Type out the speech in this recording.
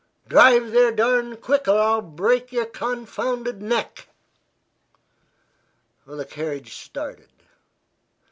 Drive there darned quick, or I'll break your confounded neck." The carriage started.